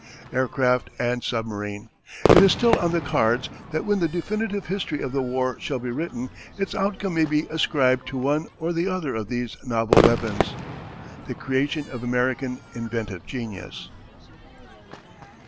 Aircraft and submarine! It is still on the cards that when the definitive history of the war shall be written, its outcome may be ascribed to one or the other of these novel weapons the creation of American inventive genius.